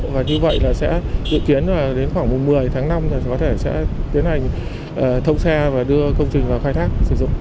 và như vậy sẽ dự kiến đến khoảng một mươi tháng năm sẽ tiến hành thông xe và đưa công trình vào khai thác sử dụng